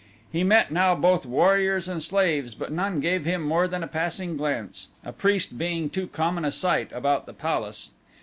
He met now both warriors and slaves but none gave him more than a passing glance, a priest being too common a sight about the palace.